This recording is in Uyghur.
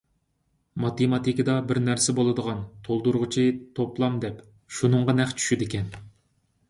ماتېماتىكىدا بىر نەرسە بولىدىغان تولدۇرغۇچى توپلام دەپ، شۇنىڭغا نەق چۈشىدىكەن.